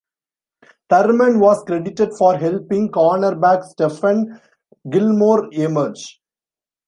Thurman was credited for helping cornerback Stephon Gilmore emerge.